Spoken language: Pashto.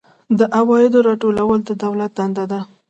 د عوایدو راټولول د دولت دنده ده